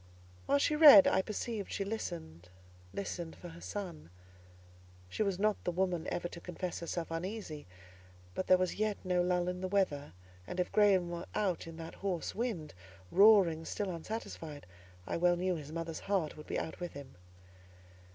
While she read, I perceived she listened—listened for her son. She was not the woman ever to confess herself uneasy, but there was yet no lull in the weather, and if Graham were out in that hoarse wind—roaring still unsatisfied—I well knew his mother's heart would be out with him.